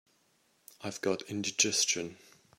I've got indigestion.